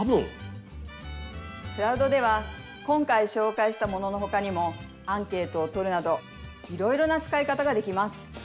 クラウドでは今回しょうかいしたもののほかにもアンケートをとるなどいろいろな使い方ができます。